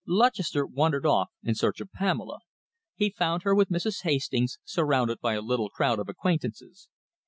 Lutchester wandered off in search of Pamela. He found her with Mrs. Hastings, surrounded by a little crowd of acquaintances.